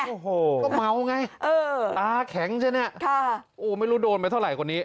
เมาไงโอ้โหก็เมาไงเออตาแข็งใช่ไหมค่ะโอ้ไม่รู้โดนไปเท่าไหร่กว่านี้